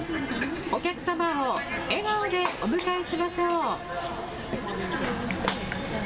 お客様を笑顔でお迎えしましょう。